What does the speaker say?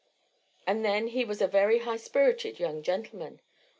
And then he was a very high spirited young gentleman.